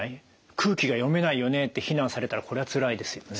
「空気が読めないよね」って非難されたらこれはつらいですよね。